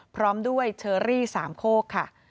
พร้อมด้วยเชอรี่สามโคกค่ะ